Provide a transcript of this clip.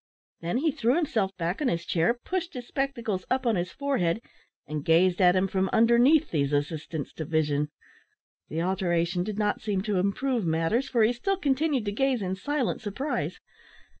Then he threw himself back on his chair, pushed his spectacles up on his forehead, and gazed at him from underneath these assistants to vision. The alteration did not seem to improve matters, for he still continued to gaze in silent surprise.